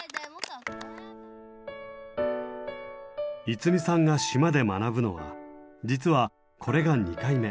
愛実さんが島で学ぶのは実はこれが２回目。